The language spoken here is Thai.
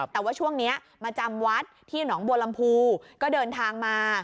แต่ว่าช่วงนี้มาจำวัดที่หนองบัวลำพูก็เดินทางมา